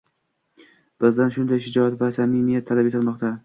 Bizdan shunday shijoat va... samimiyat talab etilmoqda.